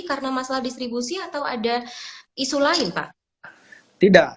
karena masalah distribusi atau ada isu lain pak